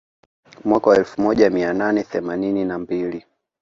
Mwaka wa elfu moja mia nane themanini na mbili